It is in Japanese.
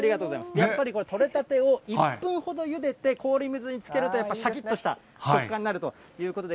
やっぱり取れたてを１分ほどゆでて、氷水につけると、しゃきっとした食感になるということで、